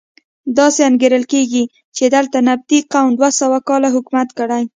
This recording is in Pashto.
داسې انګېرل کېږي چې دلته نبطي قوم دوه سوه کاله حکومت کړی.